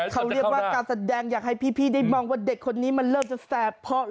คราวเรียกว่ากาแปลงอยากให้พี่ได้มองว่าเด็กคนนี้มันคงหลบใหญ่